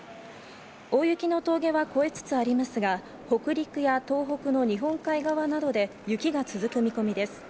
大雪の峠は越えつつありますが、北陸や東北の日本海側などで雪が続く見込みです。